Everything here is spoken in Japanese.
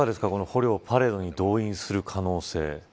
捕虜をパレードに動員する可能性。